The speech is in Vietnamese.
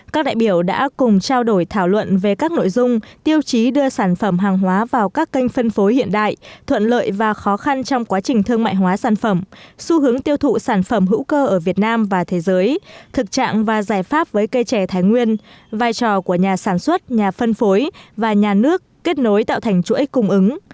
các đại biểu đã cùng trao đổi thảo luận về các nội dung tiêu chí đưa sản phẩm hàng hóa vào các kênh phân phối hiện đại thuận lợi và khó khăn trong quá trình thương mại hóa sản phẩm xu hướng tiêu thụ sản phẩm hữu cơ ở việt nam và thế giới thực trạng và giải pháp với cây trẻ thái nguyên vai trò của nhà sản xuất nhà phân phối và nhà nước kết nối tạo thành chuỗi cung ứng